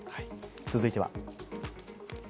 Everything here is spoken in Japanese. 続いては。